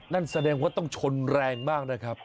นั่นแสดงว่าต้องชนแรงมากนะครับ